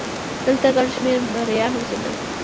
دلته ګڼ شمېر مریان اوسېدل